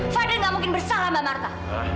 fadli nggak mungkin bersalah mbak marta